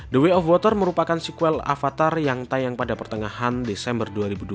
the way of water merupakan sequel avatar yang tayang pada pertengahan desember dua ribu dua puluh